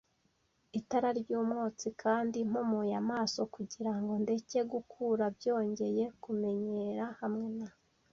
itara ryumwotsi, kandi mpumuye amaso kugirango ndeke gukura byongeye kumenyera hamwe na